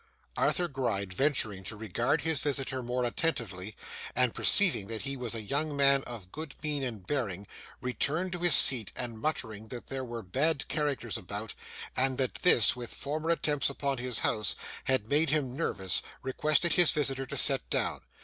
Arthur Gride, venturing to regard his visitor more attentively, and perceiving that he was a young man of good mien and bearing, returned to his seat, and muttering that there were bad characters about, and that this, with former attempts upon his house, had made him nervous, requested his visitor to sit down.